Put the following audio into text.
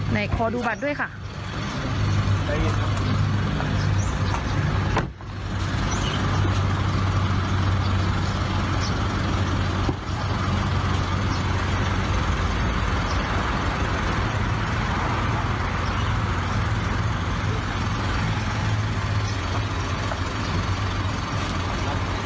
ไหนขอดูบัตรด้วยค่ะ